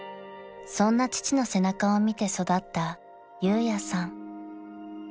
［そんな父の背中を見て育った裕也さん］